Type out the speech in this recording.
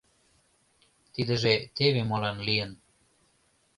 Тидыже теве молан лийын.